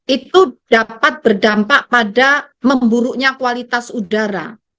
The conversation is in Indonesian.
itu dapat berdampak pada memburuknya kualitas udara